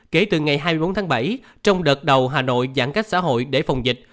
kể từ ngày hai mươi bốn tháng bảy trong đợt đầu hà nội giãn cách xã hội để phòng dịch